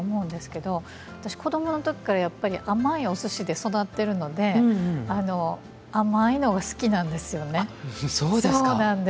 私子どもの時からやっぱり甘いお寿司で育ってるので甘いのが好きなんですよね。